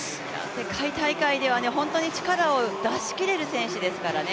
世界大会では本当に力を出しきれる選手ですからね。